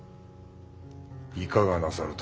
いかがなさる殿。